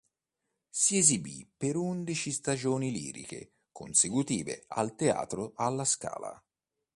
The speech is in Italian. Si esibì per undici stagioni liriche consecutive al Teatro alla Scala.